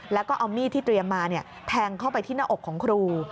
แล้วก็เอามีดที่เตรียมมาแทงเข้าไปที่หน้าอกของครู